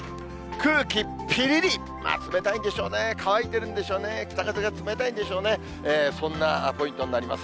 空気ぴりり、冷たいんでしょうね、乾いてるんでしょうね、北風が冷たいんでしょうね、そんなポイントになります。